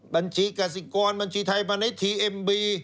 บัญชีกสิกรบัญชีไทยมาในทีเอ็มบี